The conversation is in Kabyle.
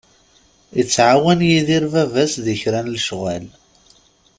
Ittɛawan Yidir baba-s di kra n lecɣal.